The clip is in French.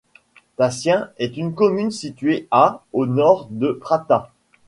Tacien est une commune située à au nord de Prata.